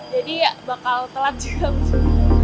jadi ya bakal telat juga